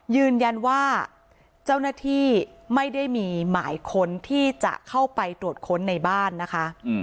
ยืนยันว่าเจ้าหน้าที่ไม่ได้มีหมายค้นที่จะเข้าไปตรวจค้นในบ้านนะคะ